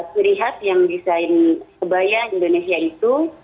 tiri hat yang desain kebaya indonesia itu